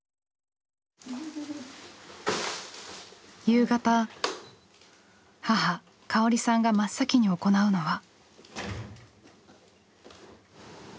夕方母香織さんが真っ先に行うのは。